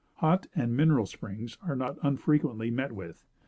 Hot and mineral springs are not unfrequently met with.